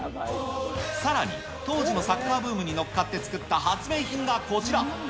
さらに、当時のサッカーブームに乗っかって作った発明品がこちら。